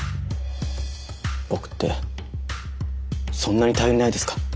僕ってそんなに頼りないですか？